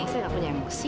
masih gak punya emosi